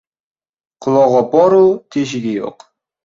• Qulog‘i bor-u, teshigi yo‘q.